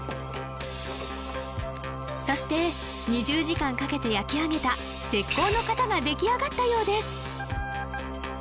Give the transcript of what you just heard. そして２０時間かけて焼き上げた石膏の型が出来上がったようです！